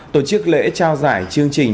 tổ chức lễ trao giải chương trình